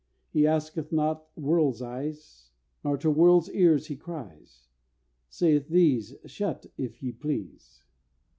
He asketh not world's eyes; Nor to world's ears he cries Saith, "These Shut, if ye please!"